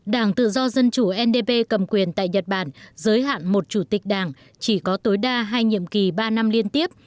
đảng tự do dân chủ ndp cầm quyền tại nhật bản giới hạn một chủ tịch đảng chỉ có tối đa hai nhiệm kỳ ba năm liên tiếp